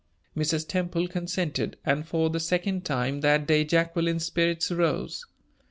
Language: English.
Mrs. Temple consented, and for the second time that day Jacqueline's spirits rose.